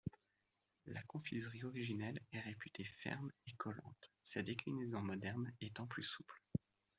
La confiserie originelle est réputée ferme et collante, ses déclinaisons modernes étant plus souples.